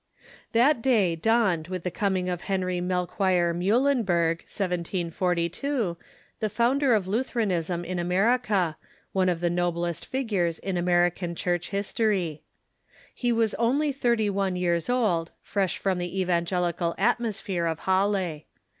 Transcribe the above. That day dawned with the coming of Henry Melchior Muh lenberg, 1742, the founder of Lutheranism in America, one of the noblest figures in American Church history. ^Luthe^ran^sm ^®^^^^"^^ thirty one years old, fresh from the evangelical atmosphere of Halle.